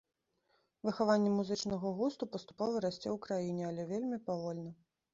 Выхаванне музычнага густу паступова расце ў краіне, але вельмі павольна.